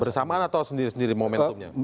bersamaan atau sendiri sendiri momentumnya